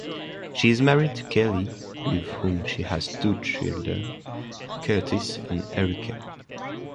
She is married to Kelly with whom she has two children, Kurtis and Erika.